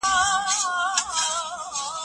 که موضوع ښه وڅېړل سي ډېر معلومات به ځيني ترلاسه سي.